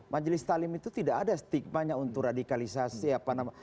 majelis talim itu tidak ada stigmanya untuk radikalisasi apa namanya